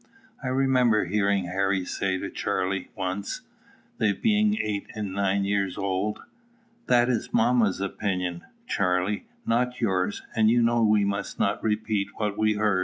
I remember hearing Harry say to Charley once, they being then eight and nine years old, "That is mamma's opinion, Charley, not yours; and you know we must not repeat what we hear."